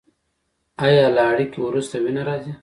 ایا له اړیکې وروسته وینه راځي؟